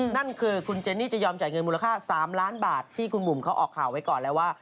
นั่นคือคุณเจนี่จะยอมจ่ายเงินมูลค่า๓ล้านบาทที่คุณบุ๋มเขาออกข่าวไว้ก่อนแล้วว่า